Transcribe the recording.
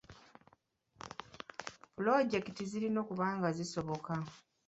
Pulojekiti zirina okuba nga zisoboka.